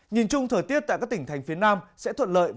nhìn chung thời tiết tại các tỉnh thành phía nam sẽ thuận lợi